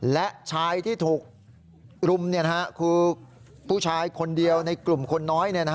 และชายที่ถูกรุมคือผู้ชายคนเดียวในกลุ่มคนน้อย